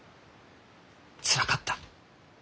つらかった。